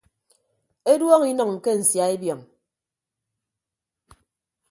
Eduọñọ inʌñ ke nsia ebiọñ.